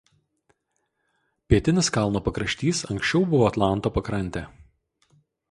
Pietinis kalno pakraštys anksčiau buvo Atlanto pakrantė.